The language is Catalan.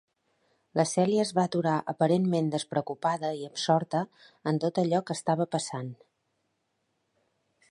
La Cèlia es va aturar aparentment despreocupada i absorta en tot allò que estava passant.